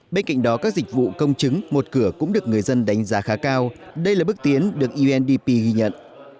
bên cạnh đó các dịch vụ công chứng một cửa cũng được người dân đánh giá khá cao đây là bước tiến được undp ghi nhận